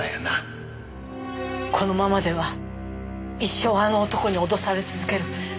このままでは一生あの男に脅され続ける。